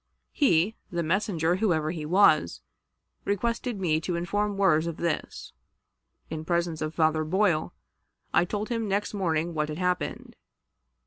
He (the messenger, whoever he was) requested me to inform Wirz of this. In presence of Father Boyle, I told him next morning what had happened.